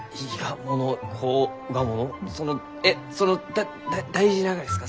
そのえっその大事ながですか？